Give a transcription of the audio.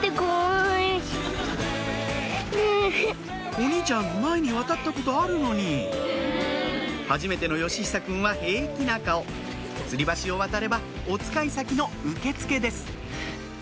お兄ちゃん前に渡ったことあるのにはじめての義久くんは平気な顔つり橋を渡ればおつかい先の受付です